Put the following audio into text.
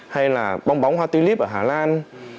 hay là bong bóng hoa tulip ở hà lan